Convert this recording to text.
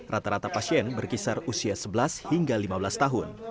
rata rata pasien berkisar usia sebelas hingga lima belas tahun